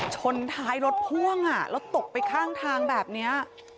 ชนท้ายรถพ่วงแล้วตกไปข้างทางแบบนี้